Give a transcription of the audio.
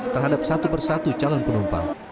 terhadap satu persatu calon penumpang